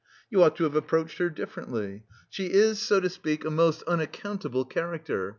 You ought to have approached her differently. She is, so to speak, a most unaccountable character.